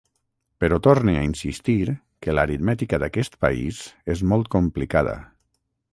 Però torne a insistir que l’aritmètica d’aquest país és molt complicada.